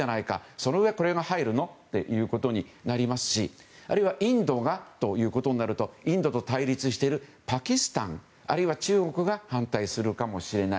そのうえ、これが入るの？ということになりますしあるいはインドがということになるとインドと対立しているパキスタンやあるいは中国が反対するかもしれない。